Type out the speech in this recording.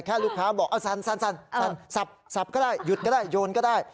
ลูกค้าบอกเอาสั่นสับก็ได้หยุดก็ได้โยนก็ได้